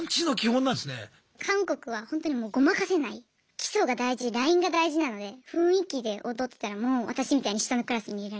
基礎が大事ラインが大事なので雰囲気で踊ってたらもう私みたいに下のクラスに入れられます。